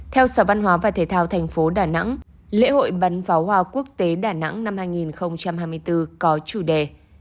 theo sở văn hóa và thể thao thành phố đà nẵng lễ hội bắn phá hoa quốc tế đà nẵng năm hai nghìn hai mươi bốn có chủ đề